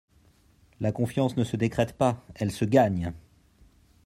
La confiance ne se décrète pas, elle se gagne.